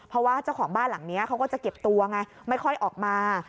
เพราะว่าเจ้าของบ้านหลังนี้เขาก็จะเก็บตัวไงไม่ค่อยออกมา